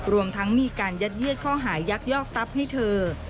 รวมทั้งมีการยัดเยียดข้อหายักยอกทรัพย์ให้เธอ